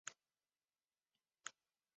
郭台铭提告求偿。